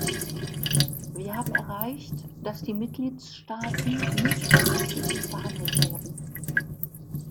Wir haben erreicht, dass die Mitgliedstaaten nicht unterschiedlich behandelt werden.